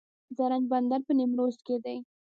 د زرنج بندر په نیمروز کې دی